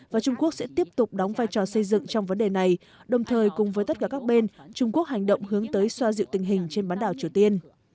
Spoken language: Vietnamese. và trung quốc sẽ tiếp tục đóng vai trò xây dựng trong vấn đề này đồng thời cùng với tất cả các bên trung quốc hành động hướng tới xoa dịu tình hình trên bán đảo triều tiên